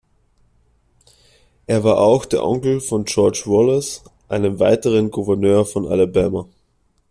Er war auch der Onkel von George Wallace, einem weiteren Gouverneur von Alabama.